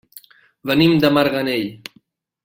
Venim de Marganell.